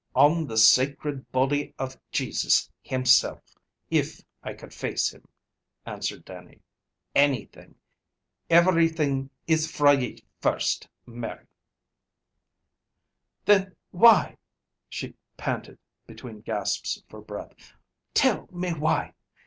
"On the sacred body of Jesus Himself, if I could face Him," answered Dannie. "Anything! Everything is fra ye first, Mary!" "Then why?" she panted between gasps for breath. "Tell me why?